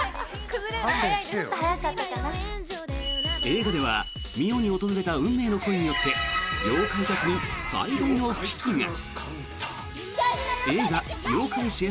映画では澪に訪れた運命の恋によって妖怪たちに最大の危機が。